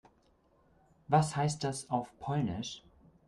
Was heißt das auf Polnisch?